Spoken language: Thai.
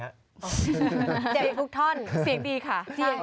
อันทธาบาลอะไรก็ว่ากันไปนะค่ะ